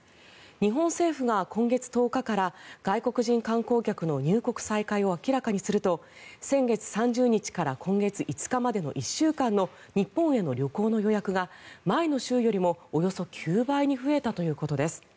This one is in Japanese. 日本政府が今月１０日から外国人観光客の入国再開を明らかにすると先月３０日から今月５日までの１週間の日本への旅行の予約が前の週よりもおよそ９倍に増えたということです。